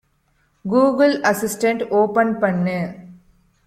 Google assistant open பண்ணு